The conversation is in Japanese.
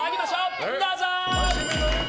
どうぞ！